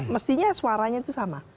mestinya suaranya itu sama